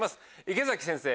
池崎先生